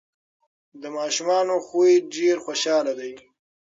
د ماشومانو خوی یې ډیر خوشحال دی.